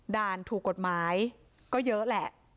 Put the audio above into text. ด่านถูกกฎหมายก็เยอะแหละ